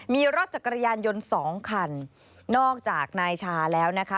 มีรถจักรยานยนต์สองคันนอกจากนายชาแล้วนะคะ